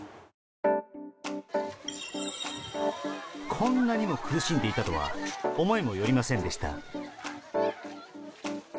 こんなにも苦しんでいたとは思いもよりませんでした。